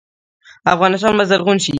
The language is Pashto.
افغانستان به زرغون شي؟